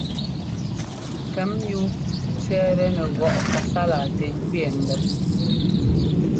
Kɛmyúu tsẅɛ́ɛtɛ nɛ gɔꞌ kasala tɛ ŋgẅɛɛ mbɛ́p.